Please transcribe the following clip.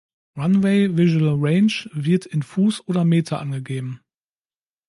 Runway Visual Range wird in Fuß oder Meter angegeben.